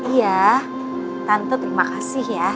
ya tante terima kasih ya